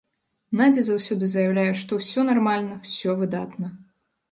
Надзя заўсёды заяўляе, што ўсё нармальна, усё выдатна.